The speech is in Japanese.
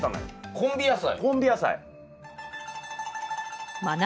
コンビ野菜。